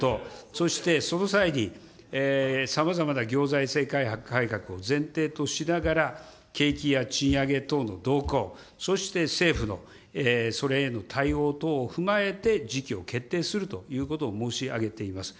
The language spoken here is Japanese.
そしてその際に、さまざまな行財政改革を前提としながら、景気や賃上げ等の動向、そして政府のそれへの対応等を踏まえて時期を決定するということを申し上げています。